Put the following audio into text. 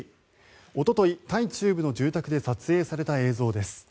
おととい、タイ中部の住宅で撮影された映像です。